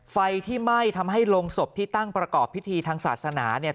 ไฟที่ไหม้ทำให้โรงศพที่ตั้งประกอบพิธีทางศาสนาเนี่ย